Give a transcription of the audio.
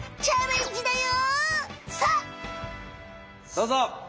どうぞ！